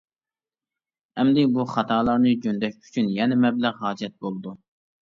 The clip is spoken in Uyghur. ئەمدى بۇ خاتالارنى جۆندەش ئۈچۈن يەنە مەبلەغ ھاجەت بولىدۇ.